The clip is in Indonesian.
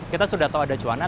kita sudah tahu ada juanda